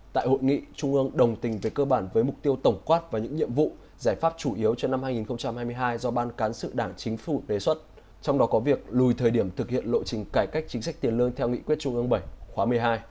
tại hội nghị trung ương đồng tình về cơ bản với mục tiêu tổng quát và những nhiệm vụ giải pháp chủ yếu cho năm hai nghìn hai mươi hai do ban cán sự đảng chính phủ đề xuất trong đó có việc lùi thời điểm thực hiện lộ trình cải cách chính sách tiền lương theo nghị quyết trung ương bảy khóa một mươi hai